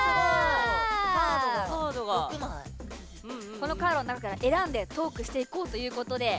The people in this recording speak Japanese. このカードの中から選んでトークしていこうということで。